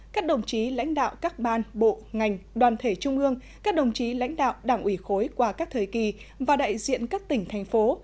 các đồng chí lãnh đạo các ban bộ ngành đoàn thể trung ương các đồng chí lãnh đạo đảng ủy khối qua các thời kỳ và đại diện các tỉnh thành phố